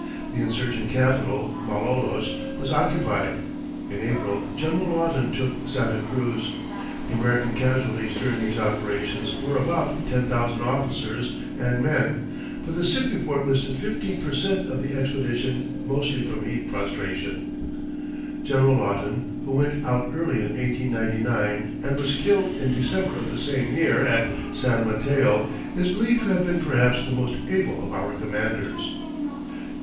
The insurgent capital, Malolos, was occupied. In April, General Lawton took Santa Cruz. The American casualties during these operations were about ten thousand officers and men, but the sick report listed fifteen per cent of the expedition, mostly from heat prostration. [Illustration: SAN JUAN BRIDGE.] General Lawton, who went out early in 1899, and was killed in December of the same year at San Mateo, is believed to have been perhaps the most able of our commanders.